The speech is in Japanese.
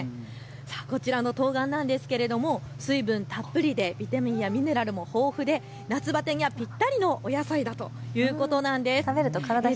こちらのとうがんなんですけれど水分たっぷりでビタミン、ミネラルも豊富で夏バテにぴったりのお野菜だということなんです。